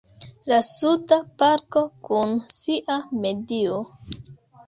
La Suda parko kun sia medio.